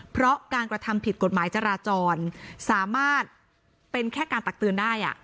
เพราะการกระทำผิดกฎหมายจราจรสามารถเป็นแค่การตักเตือนได้